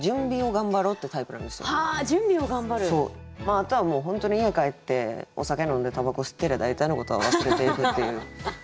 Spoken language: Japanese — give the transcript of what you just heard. あとはもう本当に家帰ってお酒飲んでたばこ吸ってりゃ大体のことは忘れていくっていう感じかな。